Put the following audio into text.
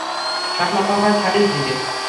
Shirt মাপা হয় size দিয়ে।